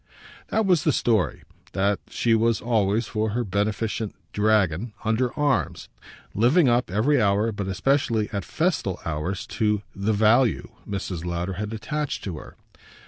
That was the story that she was always, for her beneficent dragon, under arms; living up, every hour, but especially at festal hours, to the "value" Mrs. Lowder had attached to her.